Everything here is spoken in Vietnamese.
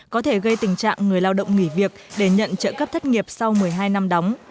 có thể gây tình trạng người lao động nghỉ việc để nhận trợ cấp thất nghiệp sau một mươi hai năm đóng